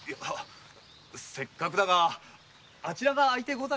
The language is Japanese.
せっかくだがあちらが空いてござる。